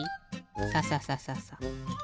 サササササ。